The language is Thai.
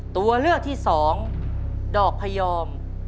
ตัวเลือกที่๒ดอกพยอม